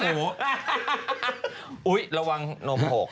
หุ่ยระวังโน่มโผก